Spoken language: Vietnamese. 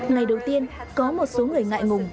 ngày đầu tiên có một số người ngại ngùng